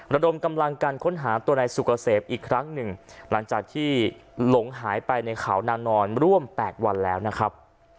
ระดมกำลังการค้นหาตัวนายสุกเกษมอีกครั้งหนึ่งหลังจากที่หลงหายไปในเขานางนอนร่วม๘วันแล้วนะครับ